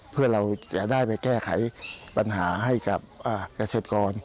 เพื่อเราจะได้ไปแก้ไขปัญหาให้กับเกษตรกร